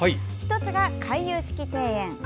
１つが、回遊式庭園。